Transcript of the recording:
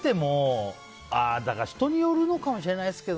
人によるのかもしれないですね。